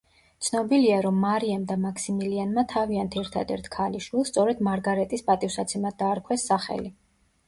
ცნობილია, რომ მარიამ და მაქსიმილიანმა, თავიანთ ერთადერთ ქალიშვილს, სწორედ მარგარეტის პატივსაცემად დაარქვეს სახელი.